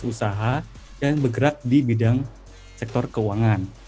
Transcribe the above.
usaha dan bergerak di bidang sektor keuangan